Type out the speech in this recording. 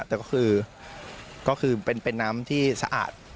แต่ก็คือเป็นน้ำที่สะอาด